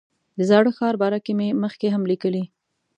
د زاړه ښار باره کې مې مخکې هم لیکلي.